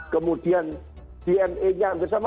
kemudian dna nya hampir sama